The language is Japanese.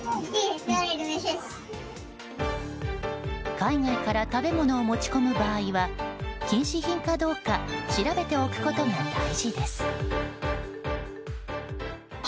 海外から食べ物を持ち込む場合は禁止品かどうか調べておくことが大事です。